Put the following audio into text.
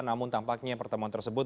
namun tampaknya pertemuan tersebut